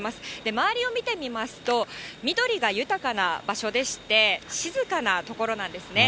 周りを見てみますと、緑が豊かな場所でして、静かな所なんですね。